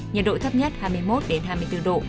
nhiệt độ thấp nhất hai mươi một hai mươi bốn độ